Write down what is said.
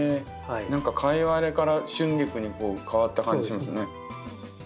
何かカイワレからシュンギクに変わった感じしますね。